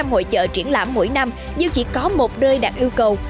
sáu trăm linh hội chợ triển lãm mỗi năm nhưng chỉ có một nơi đạt yêu cầu